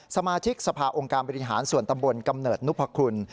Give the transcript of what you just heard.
สมาชิกสภาองค์การบริหารส่วนตำบลกำเนิดนพคุณ